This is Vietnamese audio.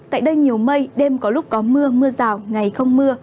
tại đây nhiều mây đêm có lúc có mưa mưa rào ngày không mưa